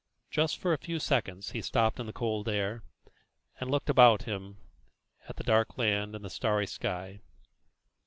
Just for a few seconds he stopped in the cold air, and looked about him at the dark land and the starry sky.